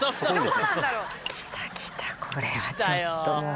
きたきたこれはちょっともう。